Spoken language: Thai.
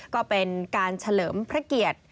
ก็เป็นการเฉลิมพระเกียรติ